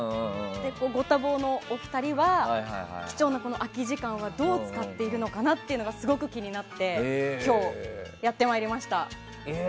ご多忙のお二人は貴重なこの空き時間はどう使っているのかなというのがすごく気になって今日、やってまいりました。